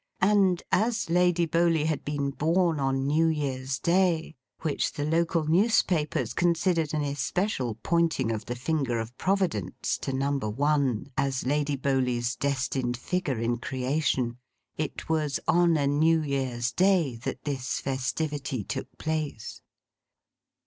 And as Lady Bowley had been born on New Year's Day (which the local newspapers considered an especial pointing of the finger of Providence to number One, as Lady Bowley's destined figure in Creation), it was on a New Year's Day that this festivity took place.